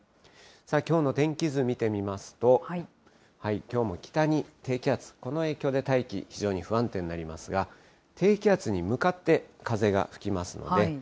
きょうの天気図見てみますと、きょうも北に低気圧、この影響で大気、非常に不安定になりますが、低気圧に向かって風が吹きますので。